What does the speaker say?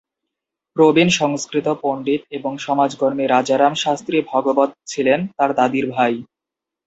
প্রবীণ সংস্কৃত পণ্ডিত এবং সমাজকর্মী রাজারাম শাস্ত্রী ভাগবত ছিলেন তাঁর দাদীর ভাই।